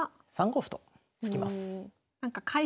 ３五歩と突きます。